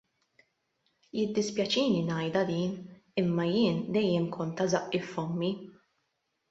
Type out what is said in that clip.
Jiddispjaċini ngħidha din, imma jien dejjem kont ta' żaqqi f'fommi.